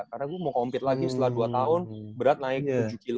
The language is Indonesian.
karena gue mau compete lagi setelah dua tahun berat naik tujuh kilo